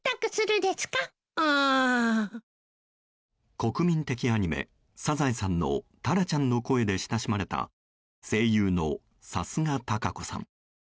国民的アニメ「サザエさん」のタラちゃんの声で親しまれた声優の貴家堂子さん。